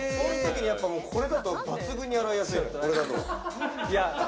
これだと抜群に洗いやすい。